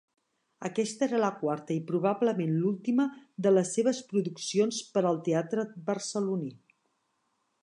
Aquesta era la quarta i probablement l'última de les seves produccions per al teatre barceloní.